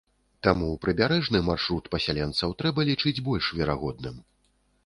Таму прыбярэжны маршрут пасяленцаў трэба лічыць больш верагодным.